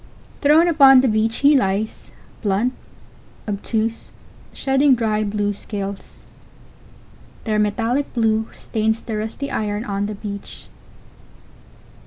Thrown upon the beach he lies, blunt, obtuse, shedding dry blue scales. Their metallic blue stains the rusty iron on the beach.